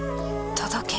届け。